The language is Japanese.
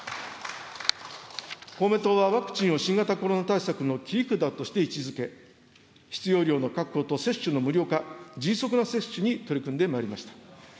公明党はワクチンを新型コロナの切り札として位置づけ、必要量の確保と接種の無料化、迅速な接種に取り組んでまいりました。